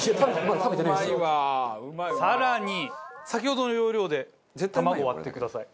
更に先ほどの要領で卵を割ってください。